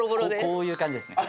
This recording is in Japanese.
こういう感じですね。